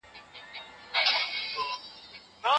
فارابي د خلګو مصلحت ته پاملرنه کوله.